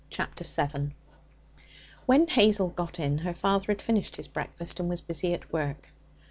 Chapter 7 When Hazel got in, her father had finished his breakfast and was busy at work.